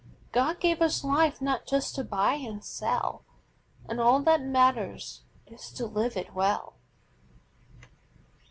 God gave us life not just to buy and sell, And all that matters is to live it well.